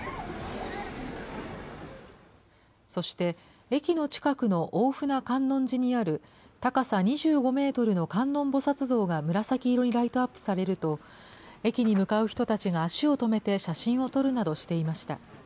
そして駅の近くの大船観音寺にある高さ２５メートルの観音菩薩像が紫色にライトアップされると、駅に向かう人たちが足を止めて写真を撮るなどしていました。